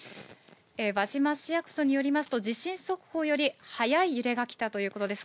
輪島市役所によりますと、地震速報より早い揺れが来たということです。